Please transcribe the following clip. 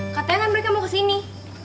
katanya mereka mau kesini